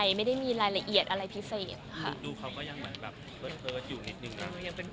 ยังเป็นคนเราเยอะเยอะเหมือนกันอะ